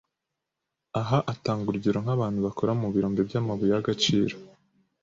Aha atanga urugero nk’abantu bakora mu birombe by’amabuye y’agaciro